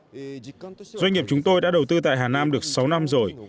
doanh nghiệp chúng tôi đã đầu tư tại hà nam được sáu năm rồi